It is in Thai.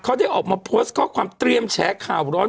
เขาได้ออกมาโพสต์ข้อความเตรียมแฉข่าวร้อน